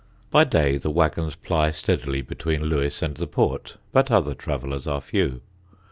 By day the waggons ply steadily between Lewes and the port, but other travellers are few.